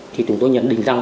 thì chúng tôi nhận định rằng